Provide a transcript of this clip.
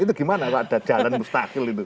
itu gimana pak ada jalan mustakil itu